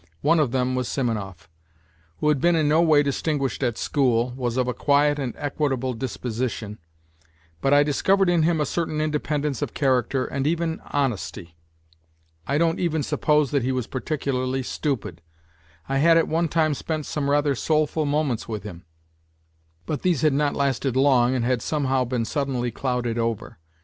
One of them was Simonov, who had been in no way distinguished at school, was of a quiet and equable disposition; but I discovered in him a certain independence of character and even honesty. I don't even suppose that he was particularly stupid. I had at one time spent some rather soulful moments with him, but these had not lasted long and had somehow been suddenly clouded over.